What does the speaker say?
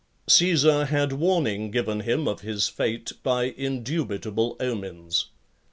LXXXI. Caesar had warning given him of his fate by indubitable (50) omens.